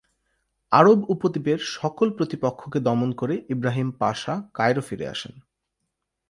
আরব উপদ্বীপের সকল প্রতিপক্ষকে দমন করে ইবরাহিম পাশা কায়রো ফিরে আসেন।